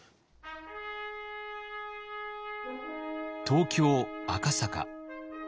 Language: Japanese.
東京・赤坂。